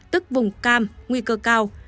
tức vùng cam nguy cơ cao